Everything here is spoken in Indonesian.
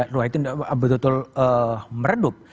ruhaitin betul betul meredup